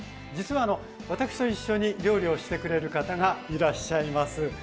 実は私と一緒に料理をしてくれる方がいらっしゃいます。